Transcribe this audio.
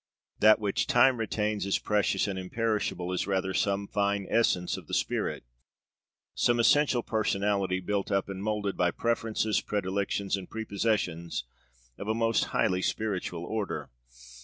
That which Time retains as precious and imperishable is rather some fine essence of the spirit, some essential personality built up and moulded by preferences, predilections, and prepossessions of a most highly spiritual order.